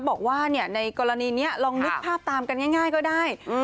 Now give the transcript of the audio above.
บอกว่าในกรณีนี้ลองนึกภาพตามกันง่ายก็ได้